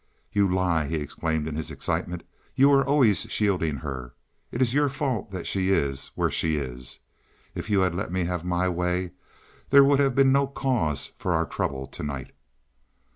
"You lie!" he exclaimed in his excitement. "You were always shielding her. It is your fault that she is where she is. If you had let me have my way there would have been no cause for our trouble to night.